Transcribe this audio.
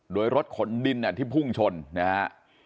โดยรถขนดินที่พุ่งชนนะฮะ